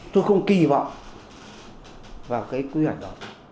tôi không kỳ vọng vào cái quy hoạch đó